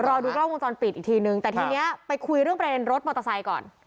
รอดูกล้องวงจรปิดอีกทีนึงแต่ทีนี้ไปคุยเรื่องประเด็นรถมอเตอร์ไซค์ก่อน